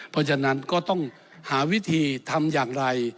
เพราะฉะนั้นก็ต้องหาวิธีทำอย่างไร